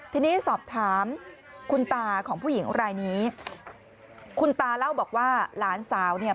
ทีนี้สอบถามคุณตาของผู้หญิงรายนี้คุณตาเล่าบอกว่าหลานสาวเนี่ย